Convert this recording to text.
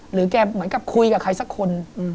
แกเหมือนกับคุยกับใครสักคน